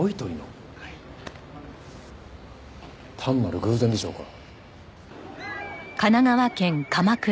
単なる偶然でしょうか？